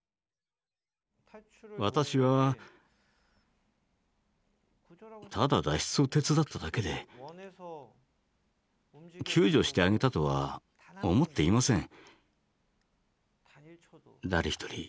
私はただ脱出を手伝っただけで救助してあげたとは思っていません。